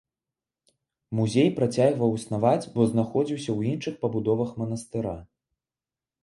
Музей працягваў існаваць, бо знаходзіўся ў іншых пабудовах манастыра.